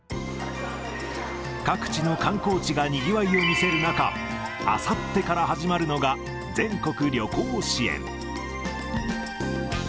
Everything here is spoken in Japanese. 各地の観光地がにぎわいを見せる中、あさってから始まるのが全国旅行支援。